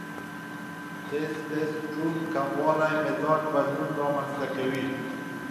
ټیسټسټرون کموالی مزاج بدلون رامنځته کوي.